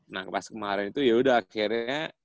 nah pas kemarin itu yaudah akhirnya